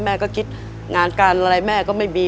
แม่ก็คิดงานการอะไรแม่ก็ไม่มี